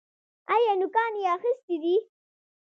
ایا نوکان یې اخیستي دي؟